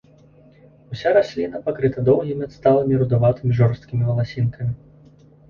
Уся расліна пакрыта доўгімі адсталымі рудаватымі жорсткімі валасінкамі.